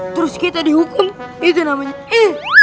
terus kita dihukum itu namanya